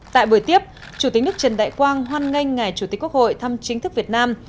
tại buổi tiếp chủ tịch nước trần đại quang hoan nghênh ngài chủ tịch quốc hội thăm chính thức việt nam